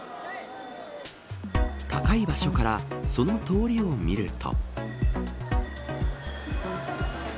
高い場所からその通りを見ると。